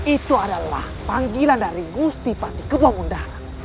itu adalah panggilan dari gusti pati ke bumbu ndara